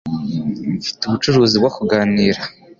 Mfite ubucuruzi bwo kuganira